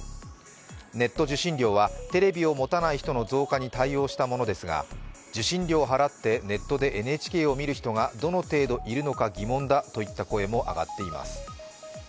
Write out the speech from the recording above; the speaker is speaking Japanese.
ネット受信料はテレビを持たない人の増加に対応したものですが受信料を払ってネットでＮＨＫを見る人がどの程度いるのか疑問だといった声も上がっています。